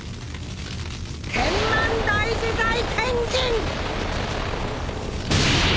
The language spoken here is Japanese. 天満大自在天神！